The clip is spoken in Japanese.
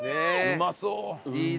うまそう！